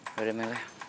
udah deh mel ya